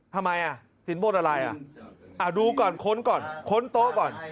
ทำไมอ่ะสินบนอะไรอ่ะดูก่อนค้นก่อนค้นโต๊ะก่อน